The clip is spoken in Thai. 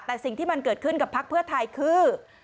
แต่สิ่งที่มันเกิดขึ้นกับพักเพื่อไทยคือ